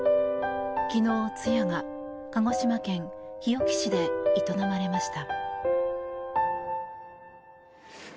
昨日、通夜が鹿児島県日置市で営まれました。